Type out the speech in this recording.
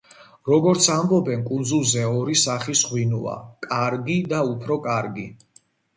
როგორც ამბობენ კუნძულზე ორი სახის ღვინოა: კარგი და უფრო კარგი.